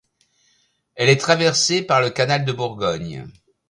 Elle est traversée par le canal de Bourgogne.